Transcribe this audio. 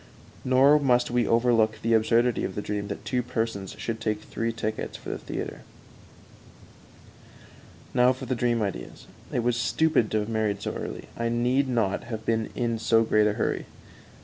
Nor must we overlook the absurdity of the dream that two persons should take three tickets for the theater. Now for the dream ideas. It was stupid to have married so early; I need not have been in so great a hurry.